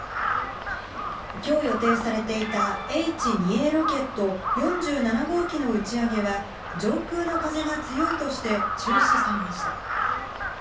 きょう予定されていたＨ２Ａロケット４７号機の打ち上げは、上空の風が強いとして、中止されました。